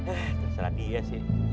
eh terserah dia sih